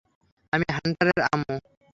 আমি হান্টারের আম্মু।